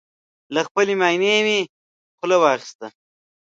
له خپلې ماينې مې خوله واخيسته